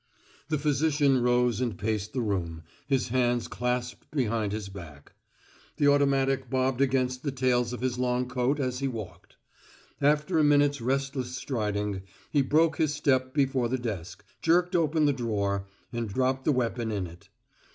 The physician rose and paced the room, his hands clasped behind his back. The automatic bobbed against the tails of his long coat as he walked. After a minute's restless striding, he broke his step before the desk, jerked open the drawer, and dropped the weapon in it.